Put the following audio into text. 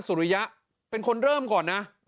สุริยะเป็นคนเริ่มก่อนนะ